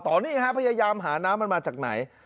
ตอนนี้ฮะพยายามหาน้ำมันมาจากไหน